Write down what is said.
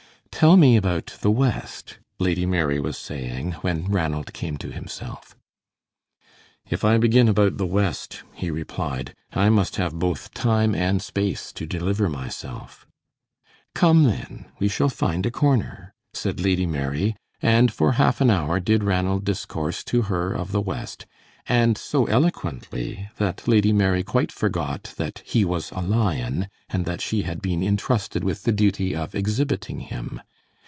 "Tell me about the West," Lady Mary was saying, when Ranald came to himself. "If I begin about the West," he replied, "I must have both time and space to deliver myself." "Come, then. We shall find a corner," said Lady Mary, and for half an hour did Ranald discourse to her of the West, and so eloquently that Lady Mary quite forgot that he was a lion and that she had been intrusted with the duty of exhibiting him.